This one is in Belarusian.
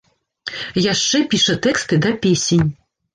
Яшчэ піша тэксты да песень.